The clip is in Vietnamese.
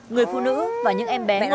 người phụ nữ và những em bé ngồi gần đó